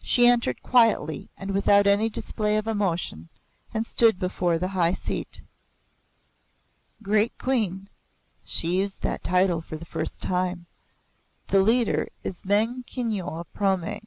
She entered quietly and without any display of emotion and stood before the high seat. "Great Queen" she used that title for the first time "the leader is Meng Kyinyo of Prome.